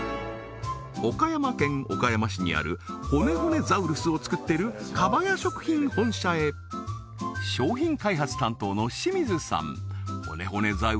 岡山県岡山市にあるほねほねザウルスを作ってるカバヤ食品本社へ商品開発担当の清水さん